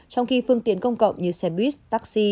trong khi phương tiện công cộng như xe buýt taxi